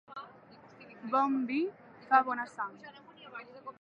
Bon vi fa bona sang.